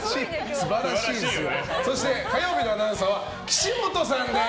そして火曜日のアナウンサーは岸本さんです。